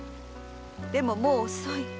でももう遅い。